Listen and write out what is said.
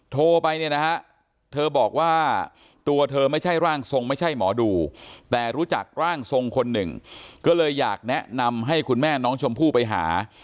โทรไปเนี่ยนะฮะเธอบอกว่าตัวเธอไม่ใช่ร่างทรงไม่ใช่หมอดูแต่รู้จักร่างทรงคนหนึ่งก็เลยอยากแนะนำให้คุณแม่น้องชมพู่ไปหา